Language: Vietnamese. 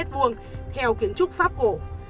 theo kiến trúc pháp cổ